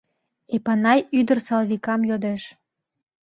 Эпанай ӱдыр Салвикам йодеш.